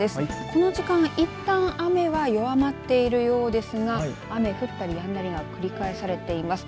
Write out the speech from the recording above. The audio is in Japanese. この時間いったん雨は弱まっているようですが雨、降ったりやんだりが繰り返されています。